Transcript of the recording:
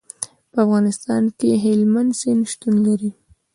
په افغانستان کې هلمند سیند شتون لري.